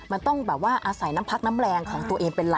มันต้องแบบว่าอาศัยน้ำพักน้ำแรงของตัวเองเป็นหลัก